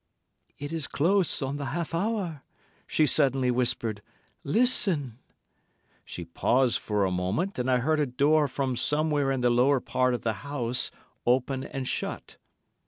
"It is close on the half hour," she suddenly whispered. "Listen!" She paused for a moment, and I heard a door from somewhere in the lower part of the house open and shut.